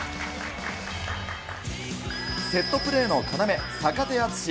セットプレーの要、坂手淳史。